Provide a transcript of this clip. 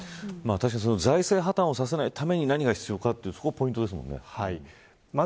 確かに財政破綻をさせないために何が必要なのかがポイントですもんね。